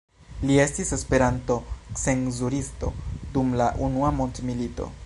Li estis Esperanto-cenzuristo dum la unua mondmilito.